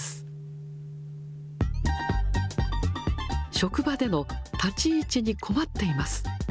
職場での立ち位置に困っています。